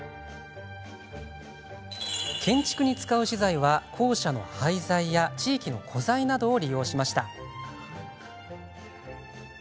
建築に使う資材は、校舎の廃材や地域の古材などを利用しました。